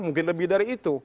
mungkin lebih dari itu